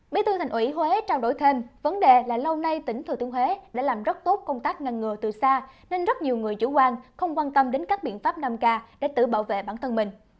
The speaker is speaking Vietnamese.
bí thư thành ủy huế trao đổi thêm vấn đề là lâu nay tỉnh thừa thiên huế đã làm rất tốt công tác ngăn ngừa từ xa nên rất nhiều người chủ quan không quan tâm đến các biện pháp nam k để tự bảo vệ bản thân mình